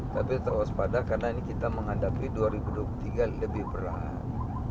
tapi tetap waspada karena ini kita menghadapi dua ribu dua puluh tiga lebih berat